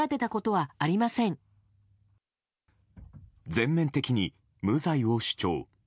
全面的に無罪を主張。